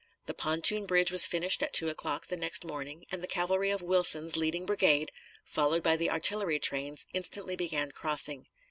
The pontoon bridge was finished at two o'clock the next morning, and the cavalry of Wilson's leading brigade, followed by the artillery trains, instantly began crossing.